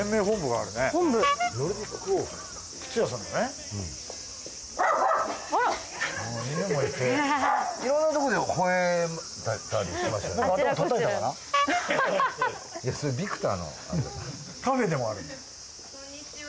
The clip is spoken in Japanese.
あっこんにちは。